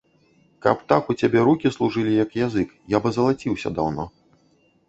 Каб так у цябе рукі служылі, як язык, я б азалаціўся даўно.